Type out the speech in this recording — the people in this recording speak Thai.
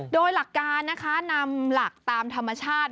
โดยหลักการนะคะนำหลักตามธรรมชาติ